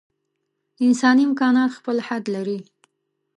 انساني امکانات خپل حد لري.